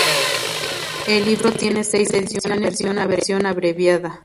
El libro tiene seis ediciones y una versión abreviada.